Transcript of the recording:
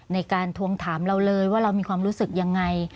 ทวงถามเราเลยว่าเรามีความรู้สึกยังไง